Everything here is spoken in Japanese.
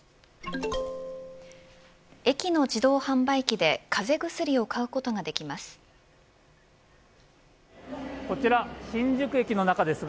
駅の自動販売機で風邪薬を買うことができます。